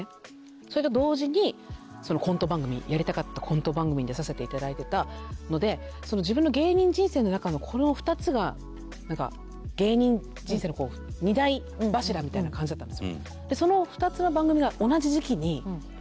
それと同時にコント番組やりたかったコント番組に出させて頂いてたので自分の芸人人生の中のこの２つがなんか芸人人生の２大柱みたいな感じだったんです。